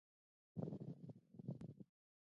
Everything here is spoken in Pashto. وادي د افغانستان په طبیعت کې مهم رول لري.